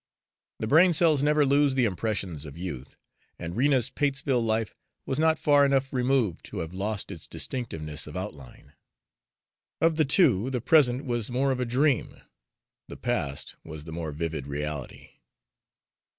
The brain cells never lose the impressions of youth, and Rena's Patesville life was not far enough removed to have lost its distinctness of outline. Of the two, the present was more of a dream, the past was the more vivid reality.